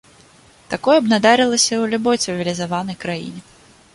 Такое б надарылася ў любой цывілізаванай краіне.